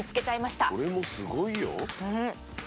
「これもすごいよ」